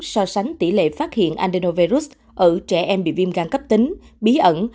so sánh tỷ lệ phát hiện andenovirus ở trẻ em bị viêm gan cấp tính bí ẩn